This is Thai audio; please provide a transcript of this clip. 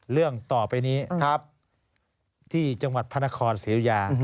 เรื่องต่อไปนี้ครับที่จังหวัดพระนครศรีอุยา